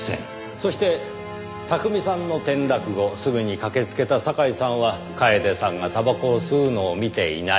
そして巧さんの転落後すぐに駆けつけた堺さんは楓さんがたばこを吸うのを見ていない。